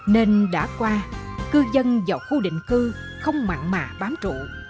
nên đã qua cư dân vào khu định cư không mặn mà bám trụ